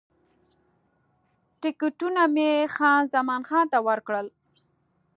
ټکټونه مې خان زمان ته ورکړل.